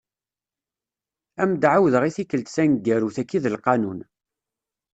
Ad am-d-ɛawdeɣ i tikelt taneggarut, akka i d lqanun.